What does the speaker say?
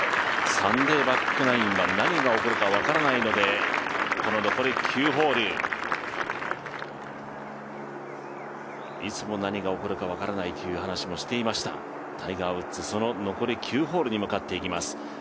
サンデーバックナインは何が起こるか分からないのでこの残り９ホール、いつも何が起こるか分からないという話もしていましたタイガー・ウッズ、残り９ホールに向かっていきます。